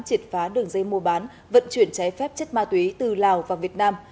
tiệt phá đường dây mua bán vận chuyển cháy phép chất ma túy từ lào và việt nam